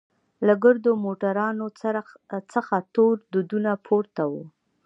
له ګردو موټرانو څخه تور دودونه پورته وو.